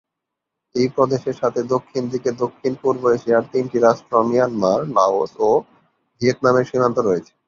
এই প্রদেশের সাথে দক্ষিণ দিকে দক্ষিণ-পূর্ব এশিয়ার তিনটি রাষ্ট্র মিয়ানমার, লাওস ও ভিয়েতনামের সীমান্ত রয়েছে।